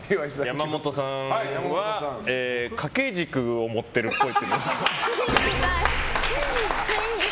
山本さんは掛け軸を持ってるっぽい。